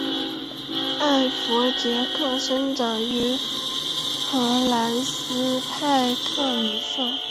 艾佛杰克生长于荷兰斯派克尼瑟。